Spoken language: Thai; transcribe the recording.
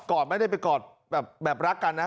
อดไม่ได้ไปกอดแบบรักกันนะ